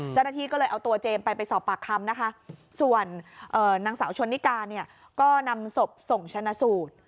เจ้าหน้าที่ก็เลยเอาตัวเจมส์ไปไปสอบปากคำนะคะส่วนนางสาวชนนิกาเนี่ยก็นำศพส่งชนะสูตร